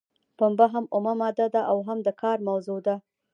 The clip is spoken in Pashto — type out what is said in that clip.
پنبه هم اومه ماده ده او هم د کار موضوع ده.